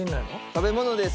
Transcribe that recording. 食べ物です。